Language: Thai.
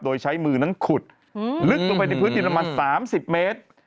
โดยใช้มือนั้นขุดลึกลงไปในพื้นดินประมาณ๓๐เมตร